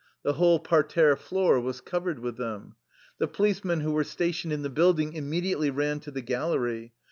The whole parterre floor was covered with them. The policemen who were stationed in the building immediately ran to the gallery.